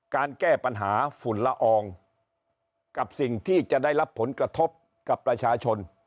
การแก้ปัญหาฝุ่นละอองกับสิ่งที่จะได้รับผลกระทบกับประชาชน